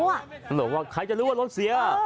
บอกว่าใครจะรู้ว่ารถเสีย